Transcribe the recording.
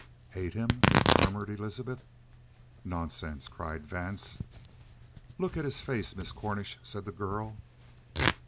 "Hate him?" murmured Elizabeth. "Nonsense!" cried Vance. "Look at his face, Miss Cornish," said the girl.